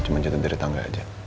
cuma jatuh dari tangga aja